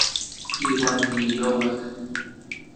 Iuan yi youak.